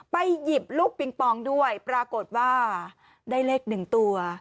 หยิบลูกปิงปองด้วยปรากฏว่าได้เลขหนึ่งตัว